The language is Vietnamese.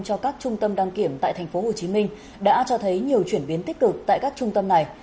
cho các trung tâm đăng kiểm tại tp hcm đã cho thấy nhiều chuyển biến tích cực tại các trung tâm này